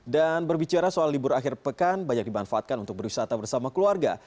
dan berbicara soal libur akhir pekan banyak dimanfaatkan untuk berwisata bersama keluarga